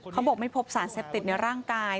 เขาบอกไม่พบสารเสพติดในร่างกาย